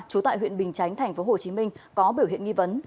trú tại huyện bình chánh tp hcm có biểu hiện nghi vấn